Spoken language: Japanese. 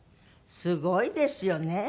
すごいですよね。